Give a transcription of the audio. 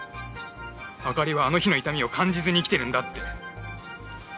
朱莉はあの日の痛みを感じずに生きているんだって。